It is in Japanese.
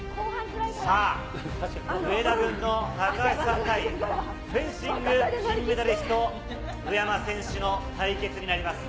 上田軍の高橋さん対フェンシング金メダリスト、宇山選手の対決になります。